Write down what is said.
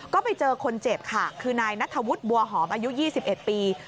ก็ไปเจอคนเจ็บค่ะคือนายนัทธวุฒิบัวหอมอายุ๒๑ปี